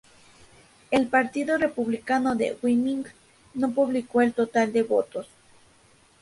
El Partido Republicano de Wyoming no publicó el total de votos.